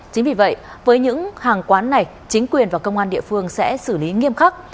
chính vì vậy với những hàng quán này chính quyền và công an địa phương sẽ xử lý nghiêm khắc